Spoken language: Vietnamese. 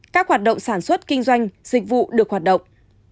các hoạt động sản xuất kinh doanh dịch vụ được hoạt động